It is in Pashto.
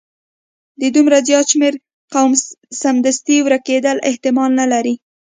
د دومره زیات شمیر قوم سمدستي ورکیدل احتمال نه لري.